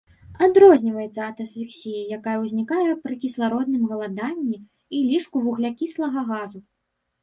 Адрозніваецца ад асфіксіі, якая ўзнікае пры кіслародным галаданні і лішку вуглякіслага газу.